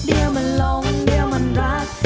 เดี๋ยวมันลงเดี๋ยวมันรัก